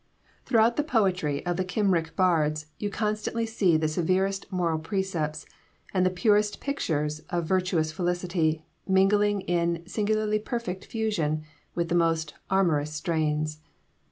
Throughout the poetry of the Cymric bards you constantly see the severest moral precepts, and the purest pictures of virtuous felicity, mingling in singularly perfect fusion with the most amorous strains.